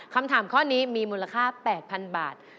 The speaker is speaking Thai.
คำถามข้อนี้มีมูลค่า๘๐๐๐บาท